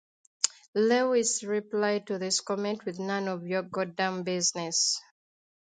Lewis replied to this comment with None of your goddamn business!